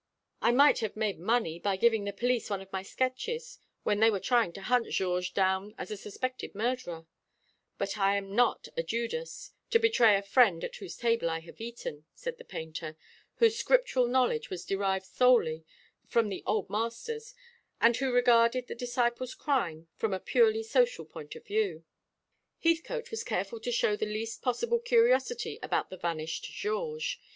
I might have made money by giving the police one of my sketches, when they were trying to hunt Georges down as a suspected murderer: but I am not a Judas, to betray the friend at whose table I have eaten," said the painter, whose Scriptural knowledge was derived solely from the Old Masters, and who regarded the disciple's crime from a purely social point of view. Heathcote was careful to show the least possible curiosity about the vanished Georges.